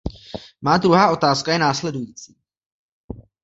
Má druhá otázka je následující.